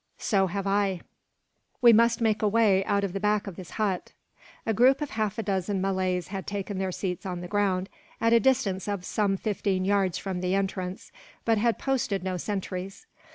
So have I. We must make a way out of the back of this hut." A group of half a dozen Malays had taken their seats on the ground, at a distance of some fifteen yards from the entrance; but had posted no sentries.